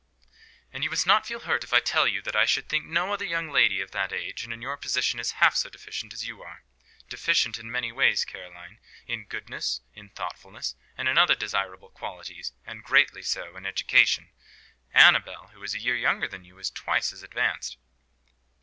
"And you must not feel hurt if I tell you that I should think no other young lady of that age and in your position is half so deficient as you are. Deficient in many ways, Caroline: in goodness, in thoughtfulness, and in other desirable qualities; and greatly so in education. Annabel, who is a year younger than you, is twice as advanced."